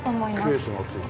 ケースが付いてね。